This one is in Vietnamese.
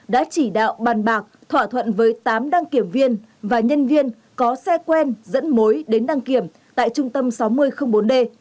đã chỉ đạo bàn bạc thỏa thuận với tám đăng kiểm viên và nhân viên có xe quen dẫn mối đến đăng kiểm tại trung tâm sáu nghìn bốn d